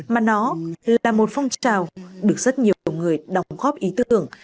mà nó là một phong trào được rất nhiều người đóng góp ý tưởng